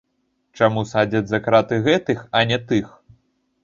Чаму садзяць за краты гэтых, а не тых?